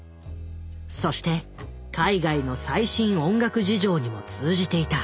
そして海外の最新音楽事情にも通じていた。